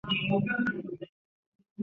主场位于克拉科夫。